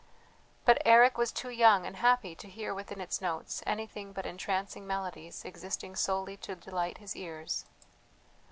But Eric was too young and happy to hear within its notes anything but entrancing melodies existing solely to delight his ears.